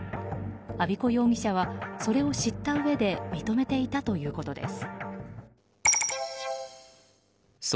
安彦容疑者はそれを知ったうえで認めていたということです。